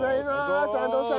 安藤さん。